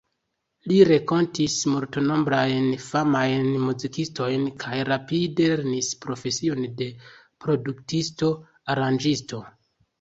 Li renkontis multnombrajn famajn muzikistojn kaj rapide lernis profesion de produktisto, aranĝisto.